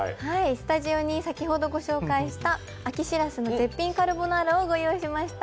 スタジオに先ほどご紹介した秋しらすの絶品カルボナーラをご用意しました。